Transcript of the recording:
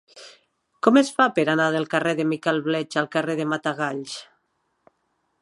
Com es fa per anar del carrer de Miquel Bleach al carrer del Matagalls?